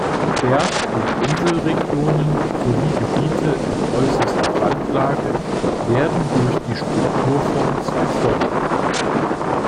Berg- und Inselregionen sowie Gebiete in äußerster Randlage werden durch die Strukturfonds gefördert.